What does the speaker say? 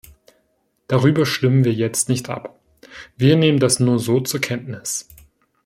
Darüber stimmen wir jetzt nicht ab. Wir nehmen das nur so zur Kenntnis.